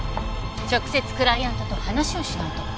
直接クライアントと話をしないと。